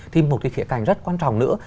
thì một cái khía cảnh rất quan trọng nữa